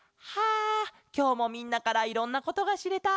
あきょうもみんなからいろんなことがしれた。